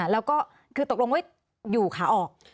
แล้วก็คือตกลงไว้อยู่ขาออก